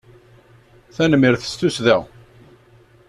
Tanemmirt s tussda!